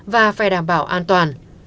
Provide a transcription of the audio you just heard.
và phải đảm bảo an toàn